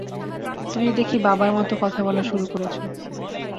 তুমি দেখি বাবার মতো কথা বলা শুরু করেছো।